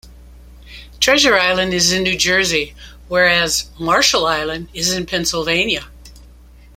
Treasure Island is in New Jersey, whereas Marshall Island is in Pennsylvania.